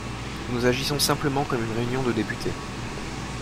Nous agissons simplement comme une réunion de députés.